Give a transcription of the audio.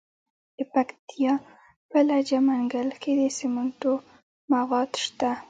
د پکتیا په لجه منګل کې د سمنټو مواد شته.